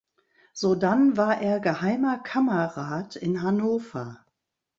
Sodann war er Geheimer Kammerrat in Hannover.